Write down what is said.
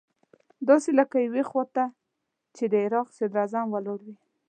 داسې لکه يوې خوا ته چې د عراق صدراعظم ولاړ وي.